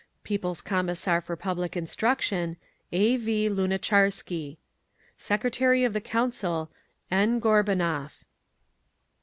People's Commissar for Public Instruction, A. V. LUNATCHARSKY. Secretary of the Council, N. GORBUNOV.